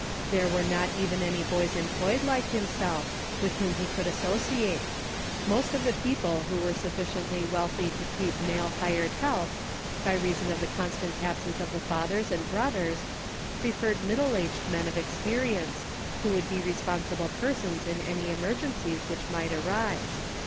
'' There were not even any boys employed like himself, with whom he could associate ; most of the people who were 112 GROWING "NECESSARY. sufficiently wealthy to keep male hired help, by reason of the constant absence of the fathers and brothers, preferred middle aged men of experience who would be responsible persons in any emergen cies which might arise.